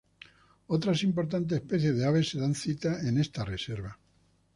Otras importantes especies de aves se dan citas en esta reserva.